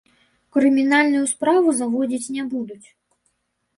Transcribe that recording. Крымінальную справу заводзіць не будуць.